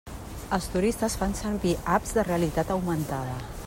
Els turistes fan servir apps de realitat augmentada.